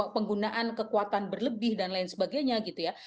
penggunaan kekuatan berlebih dan lain sebagainya gitu ya